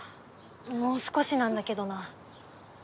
もう少しなんだけどな。